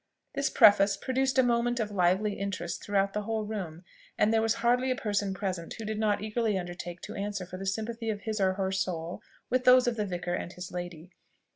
This preface produced a movement of lively interest throughout the whole room, and there was hardly a person present who did not eagerly undertake to answer for the sympathy of his or her soul with those of the vicar and his lady.